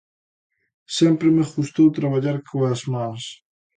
Sempre me gustou traballar coas mans.